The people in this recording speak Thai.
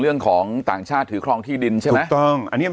เรื่องของต่างชาตรถือครองที่ดินใช่